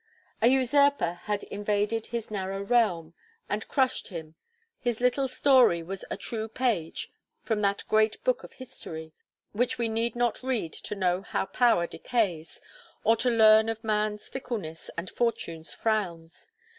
A usurper had invaded his narrow realm, and crushed him; his little story was a true page from that great book of History, which we need not read to know how power decays, or to learn of man's fickleness, and fortune's frowns.